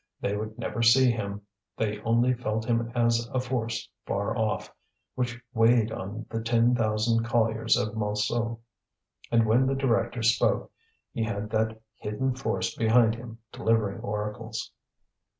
They would never see him; they only felt him as a force far off, which weighed on the ten thousand colliers of Montsou. And when the director spoke he had that hidden force behind him delivering oracles.